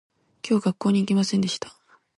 今日学校に行きませんでした